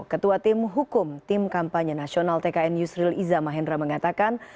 ketua tim hukum tim kampanye nasional tkn yusril iza mahendra mengatakan